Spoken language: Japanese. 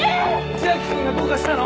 千秋君がどうかしたの！？